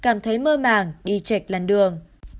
mở mảng đi chạy lăn đường